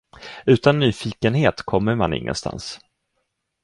Utan nyfikenhet kommer man ingenstans